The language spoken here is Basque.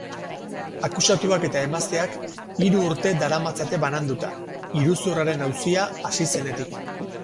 Akusatua eta emaztea hiru urte daramatzate bananduta, iruzurraren auzia hasi zenetik.